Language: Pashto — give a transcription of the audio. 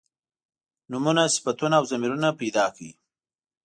نومونه صفتونه او ضمیرونه پیدا کړي.